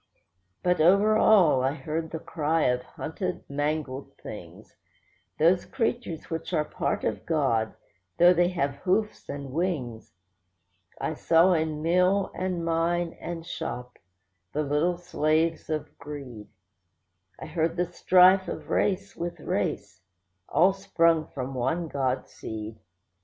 But over all I heard the cry of hunted, mangled things; Those creatures which are part of God, though they have hoofs and wings. I saw in mill, and mine, and shop, the little slaves of greed; I heard the strife of race with race, all sprung from one God seed.